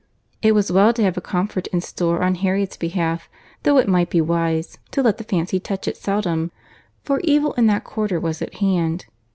It was well to have a comfort in store on Harriet's behalf, though it might be wise to let the fancy touch it seldom; for evil in that quarter was at hand.